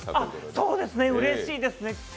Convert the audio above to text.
そうですね、うれしいですね。